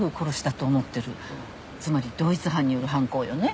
つまり同一犯による犯行よね？